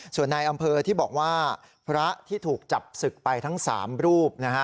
ส่วนในอำเภอที่บอกว่าพระที่ถูกจับศึกไปทั้ง๓รูปนะฮะ